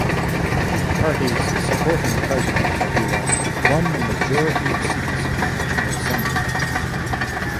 Parties supporting President Kabila won the majority of seats in the National Assembly.